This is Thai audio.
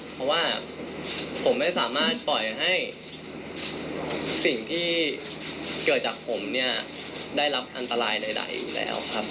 เพราะว่าผมไม่สามารถปล่อยให้สิ่งที่เกิดจากผมเนี่ยได้รับอันตรายใดอยู่แล้วครับ